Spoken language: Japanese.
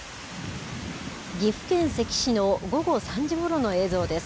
岐阜県関市の午後３時ごろの映像です。